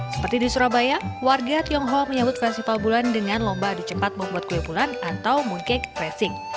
seperti di surabaya warga tionghoa menyambut festival bulan dengan lomba adu cepat membuat kue bulan atau mooncake racing